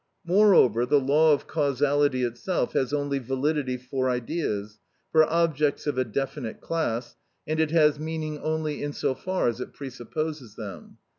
Moreover, the law of causality itself has only validity for ideas, for objects of a definite class, and it has meaning only in so far as it presupposes them.